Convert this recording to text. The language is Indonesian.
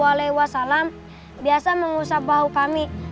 alaihi wasallam biasa mengusap bahu kami